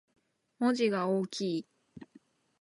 文字が大きい